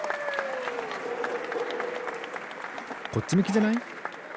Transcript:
こっちむきじゃない？